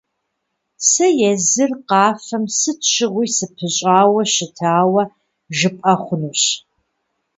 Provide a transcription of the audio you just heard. Сэ езыр къафэм сыт щыгъуи сыпыщӀауэ щытауэ жыпӀэ хъунущ.